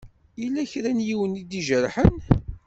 Yella kra n yiwen i d-ijerḥen?